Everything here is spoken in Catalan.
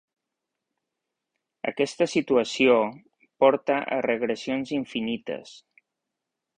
Aquesta situació porta a regressions infinites.